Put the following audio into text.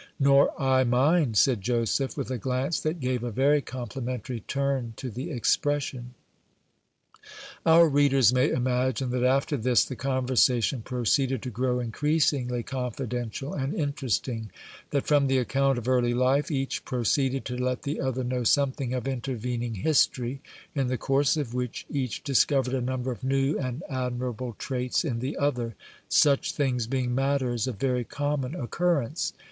"Nor I mine," said Joseph, with a glance that gave a very complimentary turn to the expression. Our readers may imagine that after this the conversation proceeded to grow increasingly confidential and interesting; that from the account of early life, each proceeded to let the other know something of intervening history, in the course of which each discovered a number of new and admirable traits in the other, such things being matters of very common occurrence.